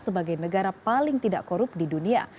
sebagai negara paling tidak korup di dunia